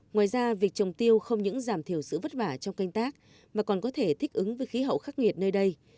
ngoài ra việc trồng tiêu không những giảm thiểu sự vất vả trong canh tác mà còn có thể thích ứng với khí hậu khắc nghiệt nơi đây